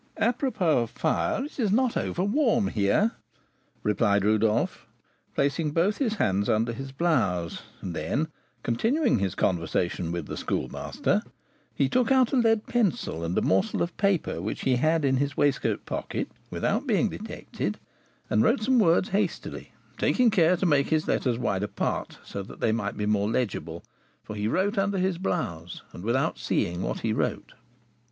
"Apropos of fire, it is not overwarm here," replied Rodolph, placing both his hands under his blouse; and then, continuing his conversation with the Schoolmaster, he took out a lead pencil and a morsel of paper, which he had in his waistcoat pocket, without being detected, and wrote some words hastily, taking care to make his letters wide apart, so that they might be more legible; for he wrote under his blouse, and without seeing what he wrote.